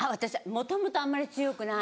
もともとあんまり強くない。